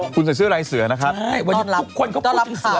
คุณใส่เสื้อลายเสือนะครับใช่วันนี้ทุกคนเขาก็ลำเสือ